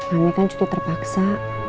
mami kan cukup terpaksa